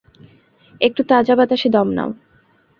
একটু তাজা বাতাসে দম নাও!